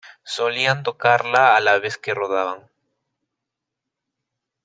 Solían tocarla a la vez que rodaban.